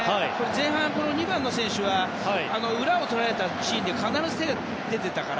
前半、２番のジョンストン選手は裏をとられたシーンで必ず手が出てたから。